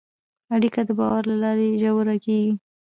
اړیکه د باور له لارې ژوره کېږي.